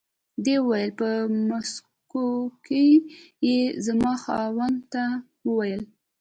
دې وویل په مسکو کې یې زما خاوند ته و ویل.